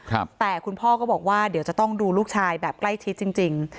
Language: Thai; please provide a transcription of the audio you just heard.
ครับแต่คุณพ่อก็บอกว่าเดี๋ยวจะต้องดูลูกชายแบบใกล้ชิดจริงจริง